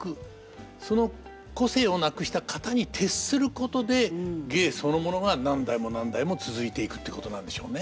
その個性をなくした型に徹することで芸そのものが何代も何代も続いていくっていうことなんでしょうね。